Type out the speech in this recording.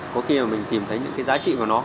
có khi mà mình tìm thấy những cái giá trị của nó